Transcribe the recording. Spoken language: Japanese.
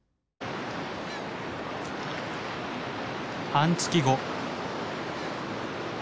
半月後。